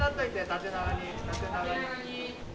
縦長に縦長に。